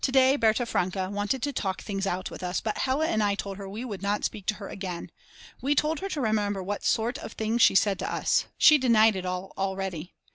To day Berta Franke wanted to talk things out with us; but Hella and I told her we would not speak to her again. We told her to remember what sort of things she had said to us. She denied it all already.